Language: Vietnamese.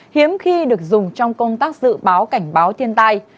hiếm khi được dùng trong công tác dự báo cảnh báo thiên tai